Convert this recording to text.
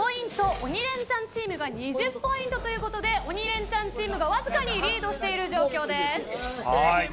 鬼レンチャンチームが２０ポイントということで鬼レンチャンチームがわずかにリードしている状況です。